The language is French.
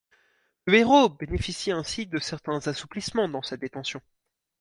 Le héros bénéficie ainsi de certains assouplissements dans sa détention.